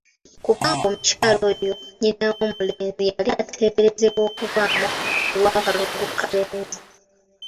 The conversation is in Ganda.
Kubanga omukyala oyo nnyina w'omulenzi yali ateeberezebwa okubaamu olw'akalogo kalenzi!